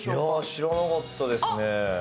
知らなかったですね。